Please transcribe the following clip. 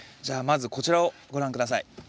じゃあまずこちらをご覧下さい。